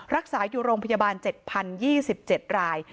รักษาอยู่โรงพยาบาล๗๐๒๗ราย